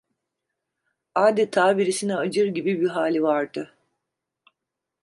Adeta birisine acır gibi bir hali vardı.